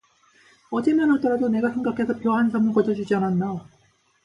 어제만 하더라도 내가 생각해서 벼 한 섬을 거저 주지 않았나.